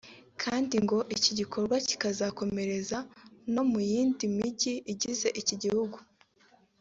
kandi ngo iki gikorwa kikazakomereza no mu yindi mijyi igize iki gihugu